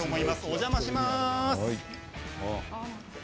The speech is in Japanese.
お邪魔します。